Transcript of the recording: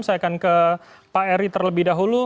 saya akan ke pak eri terlebih dahulu